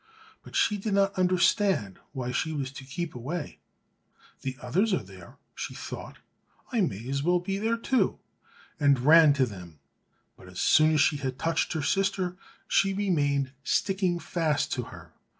But she did not understand why she was to keep away. "The others are there," she thought, "I may as well be there too," and ran to them; but as soon as she had touched her sister, she remained sticking fast to her.